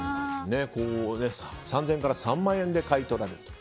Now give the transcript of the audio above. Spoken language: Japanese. ３０００円から３万円で買い取られると。